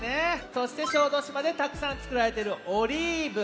そして小豆島でたくさんつくられているオリーブ。